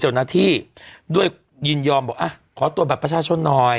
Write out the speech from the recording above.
เจ้าหน้าที่ด้วยยินยอมบอกหาทรวดแบบประชาชนน้อย